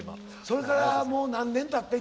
それからもう何年たって？